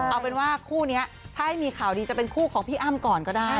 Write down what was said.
เอาเป็นว่าคู่นี้ถ้าให้มีข่าวดีจะเป็นคู่ของพี่อ้ำก่อนก็ได้